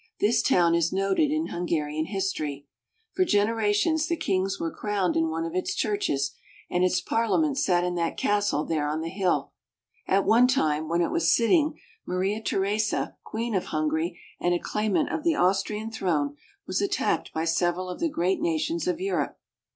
This town is noted in Hungarian history. For generations the kings were crowned in one of its churches, and its Parliament sat in that castle there on the hill. At one time, when it was sitting, Maria Theresa, queen of Hungary and a claimant of the Austrian throne, was attacked by several of the great nations of Europe.